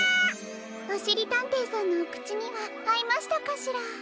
おしりたんていさんのおくちにはあいましたかしら？